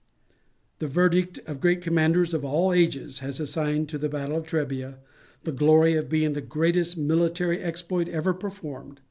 The verdict of great commanders of all ages has assigned to the battle of the Trebia the glory of being the greatest military exploit ever performed.